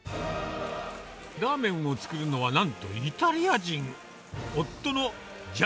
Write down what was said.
ラーメンを作るのはなんとイタリア人。